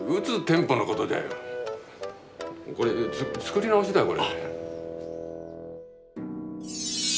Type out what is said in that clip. これ作り直しだよこれ。